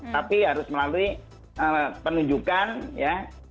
tapi harus melalui penunjukan ya